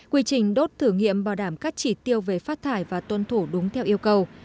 quy trình đốt thử nghiệm bảo đảm các chỉ tiêu về phát thải và tuân thủ đúng theo yêu cầu